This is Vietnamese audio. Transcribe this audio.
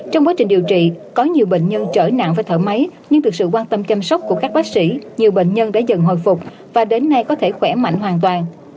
trong quá trình điều trị có nhiều bệnh nhân trở nặng với thở máy nhưng được sự quan tâm chăm sóc của các bác sĩ nhiều bệnh nhân đã dần hồi phục và đến nay có thể khỏe mạnh hoàn toàn